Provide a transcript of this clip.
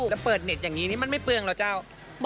แล้วเปิดเน็ตอย่างนี้นี่มันไม่เปลืองเหรอเจ้า